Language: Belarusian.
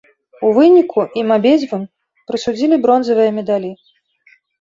У выніку ім абедзвюм прысудзілі бронзавыя медалі.